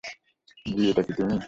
যী, এটা কি তুমি?